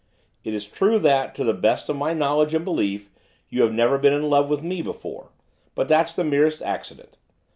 It is true that, to the best of my knowledge and belief, you have never been in love with me before, but that's the merest accident.